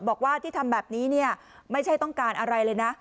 บอกว่าที่ทำแบบนี้เนี่ยไม่ใช่ต้องการอะไรเลยนะ